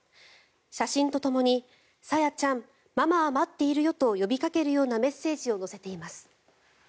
写真とともに、朝芽ちゃんママは待っているよと呼びかけるようなメッセージを載せています。